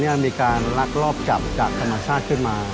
ไปดูกันค่ะว่าหน้าตาของเจ้าปาการังอ่อนนั้นจะเป็นแบบไหน